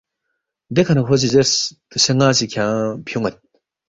دیکھہ نہ کھو سی زیرس، دوسے ن٘ا سی کھیانگ فیُون٘ید